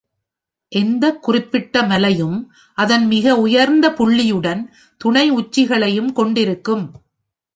எந்தக் குறிப்பிட்ட மலையும் அதன் மிக உயர்ந்த புள்ளியுடன் துணை “உச்சிகளையும்" கொண்டிருக்கும்.